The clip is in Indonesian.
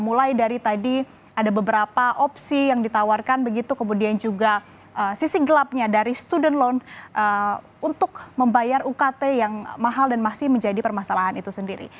mulai dari tadi ada beberapa opsi yang ditawarkan begitu kemudian juga sisi gelapnya dari student loan untuk membayar ukt yang mahal dan masih menjadi permasalahan itu sendiri